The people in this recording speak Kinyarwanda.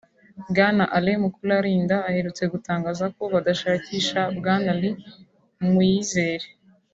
Bwana Alain Mukurarinda aherutse gutangaza ko badashakisha Bwana Lin Muyizere